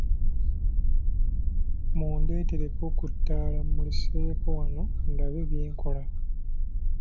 Mundeetereko ku ttaala emmuliseeko wano ndabe bye nkola.